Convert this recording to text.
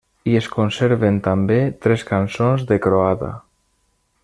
I es conserven també tres cançons de croada.